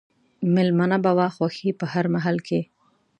مېلمنه به وه خوښي په هر محل کښي